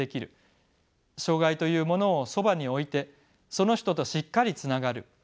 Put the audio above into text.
障がいというものをそばに置いてその人としっかりつながる。